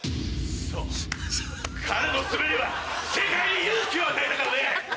そう彼の滑りは世界に勇気を与えたからね！